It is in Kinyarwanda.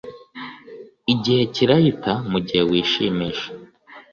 Igihe kirahita mugihe wishimisha